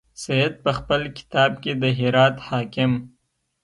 سید په خپل کتاب کې د هرات حاکم.